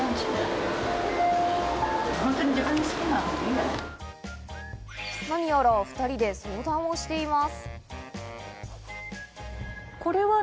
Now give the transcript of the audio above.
なにやら２人で相談をしています。